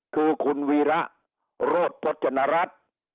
คือคุณวีระโรธพจนรัฐ